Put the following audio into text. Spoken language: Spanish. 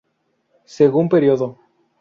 Según período.